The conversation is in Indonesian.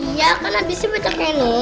iya kan abisnya banyak yang nunggu